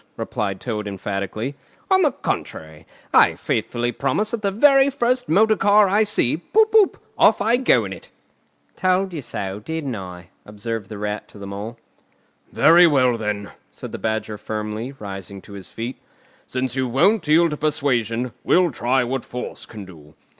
replied Toad emphatically. "On the contrary, I faithfully promise that the very first motor car I see, poop poop! off I go in it!" "Told you so, didn't I?" observed the Rat to the Mole. "Very well, then," said the Badger firmly, rising to his feet. "Since you won't yield to persuasion, we'll try what force can do.